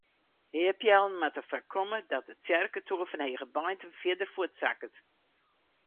Heipeallen moatte foarkomme dat de tsjerketoer fan Hegebeintum fierder fuortsakket.